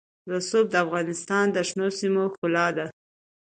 رسوب د افغانستان د شنو سیمو ښکلا ده.